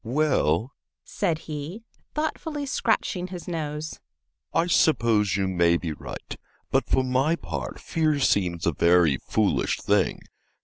"Well," said he, thoughtfully scratching his nose, "I suppose you may be right, but for my part fear seems a very foolish thing.